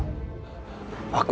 awas aja sama aku